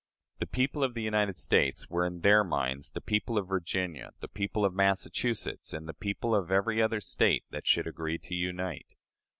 "The people of the United States" were in their minds the people of Virginia, the people of Massachusetts, and the people of every other State that should agree to unite.